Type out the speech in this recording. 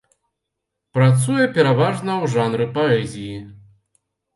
Працуе пераважна ў жанры паэзіі.